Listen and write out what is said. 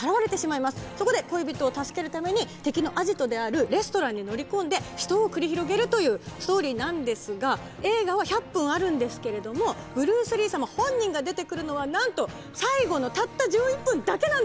そこで恋人を助けるために敵のアジトであるレストランに乗り込んで死闘を繰り広げるというストーリーなんですが映画は１００分あるんですけれどもブルース・リー様本人が出てくるのはなんと最後のたった１１分だけなんです。